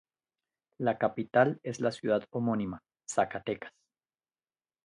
La capital es la ciudad homónima, Zacatecas.